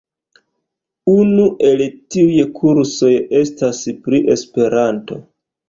Unu el tiuj kursoj estas pri Esperanto.